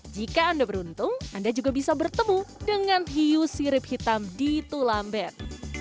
jika anda beruntung anda juga bisa bertemu dengan hiu sirip hitam di tulambet